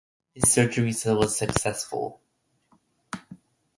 His surgery was successful.